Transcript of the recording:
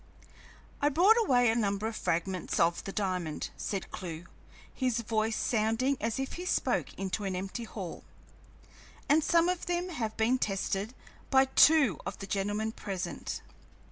"I brought away a number of fragments of the diamond," said Clewe, his voice sounding as if he spoke into an empty hall, "and some of them have been tested by two of the gentlemen present.